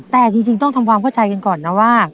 แต่จริงต้องทำความเข้าใจกันก่อนนะว่า